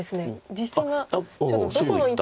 実戦はちょっとどこの位置か。